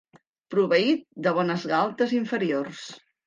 Proveït de bones galtes inferiors.